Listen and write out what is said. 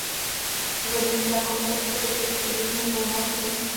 Uvedený zákon tento počet přibližně zdvojnásobil.